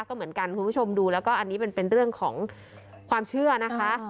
ก็เหมือนกันคุณผู้ชมดูแล้วก็อันนี้เป็นเรื่องของความเชื่อนะคะ